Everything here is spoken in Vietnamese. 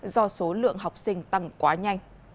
do số lượng học sinh tăng quá nhanh